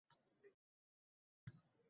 Ularning akustikasi zo‘r o‘ylab chiqilgan.